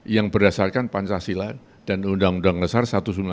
yang berdasarkan pancasila dan undang undang dasar seribu sembilan ratus empat puluh